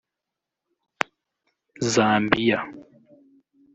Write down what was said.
Zambiya